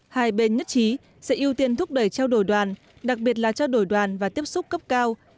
hai bên nhất trí sẽ ưu tiên thúc đẩy trao đổi đoàn đặc biệt là trao đổi đoàn và tiếp xúc cấp cao